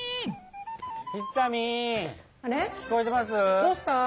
どうした？